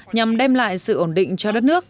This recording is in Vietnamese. nhằm đem lại sự ổn định cho đất nước